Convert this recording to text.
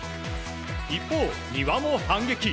一方、丹羽も反撃。